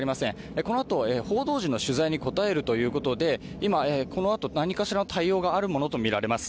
このあと、報道陣の取材に答えるということで、何かしらの対応があるとみられます。